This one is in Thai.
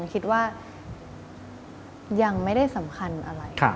คิดว่ายังไม่ได้สำคัญอะไร